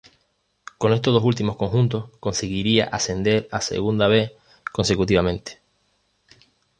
Con estos dos últimos conjuntos conseguiría ascender a Segunda B consecutivamente.